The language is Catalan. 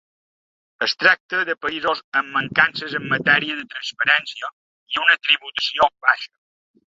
Es tracta de països amb mancances en matèria de transparència i una tributació baixa.